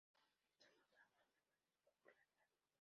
Los diputados comunistas no tardaron en perder su popularidad.